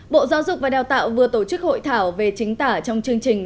bộ giáo dục và đào tạo vừa tổ chức hội thảo về chính tả trong chương trình